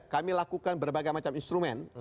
kami lakukan berbagai macam instrumen